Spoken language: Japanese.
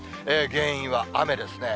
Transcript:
原因は雨ですね。